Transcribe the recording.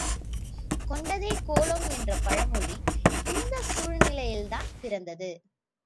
கொண்டதே கோலம் என்ற பழமொழி இந்தச் சூழ்நிலையில் தான் பிறந்தது.